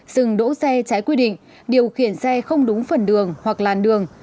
dừng đỗ xe trái quy định điều khiển xe không đúng phần đường hoặc làn đường